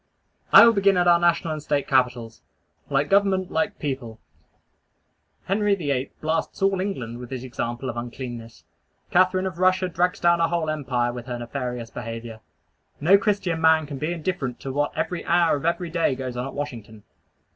I will begin at our national and State capitals. Like government, like people. Henry VIII. blasts all England with his example of uncleanness. Catharine of Russia drags down a whole empire with her nefarious behavior. No Christian man can be indifferent to what every hour of every day goes on at Washington.